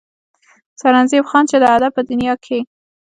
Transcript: سرنزېب خان چې د ادب پۀ دنيا کښې